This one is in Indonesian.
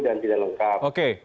dan tidak lengkap